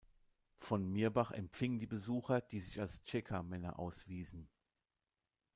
Von Mirbach empfing die Besucher, die sich als Tscheka-Männer auswiesen.